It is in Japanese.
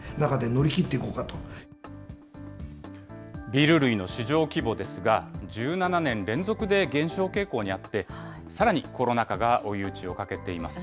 ビール類の市場規模ですが、１７年連続で減少傾向にあって、さらにコロナ禍が追い打ちをかけています。